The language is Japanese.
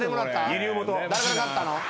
誰から買ったの？